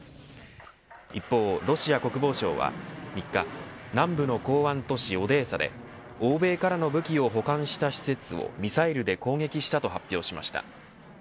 一方ロシア国防省は３日南部の港湾都市オデーサで欧米からの武器を保管した施設をミサイルで攻撃したと発表しました。